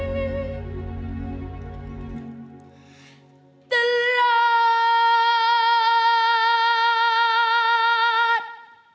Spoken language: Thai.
แน่แน่รู้เหรอ